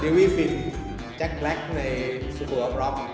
ดิวิฟินแจ๊คแปรคในสถุประปรับ